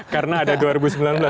karena ada dua ribu sembilan belas kita